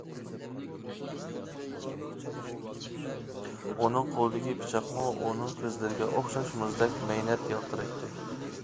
ئۇنىڭ قولىدىكى پىچاقمۇ ئۇنىڭ كۆزلىرىگە ئوخشاش مۇزدەك مەينەت يالتىرايتتى.